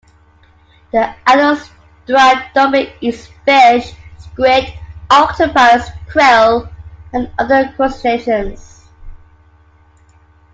The adult striped dolphin eats fish, squid, octopus, krill, and other crustaceans.